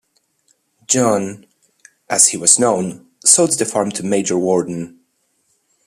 Johann - as he was known - sold the farm to Major Warden.